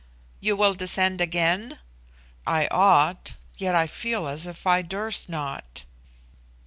"You will descend again?" "I ought, yet I feel as if I durst not."